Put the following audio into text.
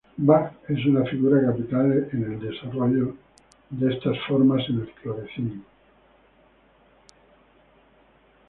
Bach es una figura capital en el desarrollo estas formas en el clavecín.